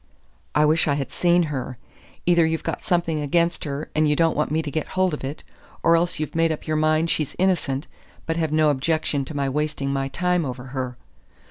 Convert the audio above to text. I wish I had seen her. Either you've got something against her and you don't want me to get hold of it; or else you've made up your mind she's innocent, but have no objection to my wasting my time over her.